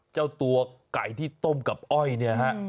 เจ้าตัวไก่ที่ต้มกับอ้อยเนี่ยฮะ